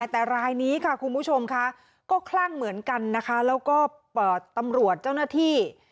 แต่รายนี้ค่ะคุณผู้ชมค่ะก็คลั่งเหมือนกันนะคะแล้วก็น่าที่